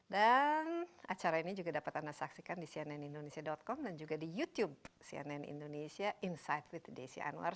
acara ini juga dapat anda saksikan di cnnindonesia com dan juga di youtube cnn indonesia insight with desi anwar